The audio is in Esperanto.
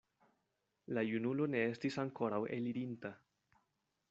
La junulo ne estis ankoraŭ elirinta.